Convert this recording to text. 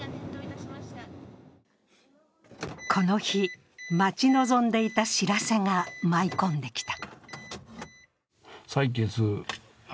この日、待ち望んでいた知らせが舞い込んできた。